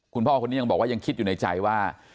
คุณพ่อคนนี้ยังบอกว่ายังคิดอยู่ในใจว่า